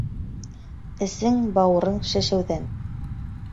Эсең-бауырың шешеүҙән.